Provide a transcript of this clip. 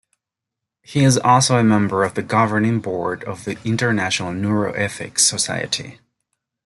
He is also a member of the Governing Board of the International Neuroethics Society.